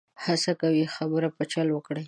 هڅه کوي خبره په چل وکړي.